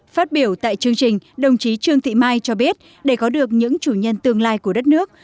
phát biểu tại chương trình đồng chí trương thị mai cho biết để có được những chủ nhân tương lai của đất nước